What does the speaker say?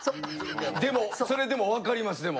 でもそれでも分かりますでも。